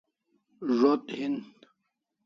Zo't hin